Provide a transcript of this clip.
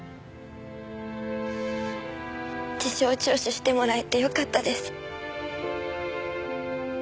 事情聴取してもらえてよかったです。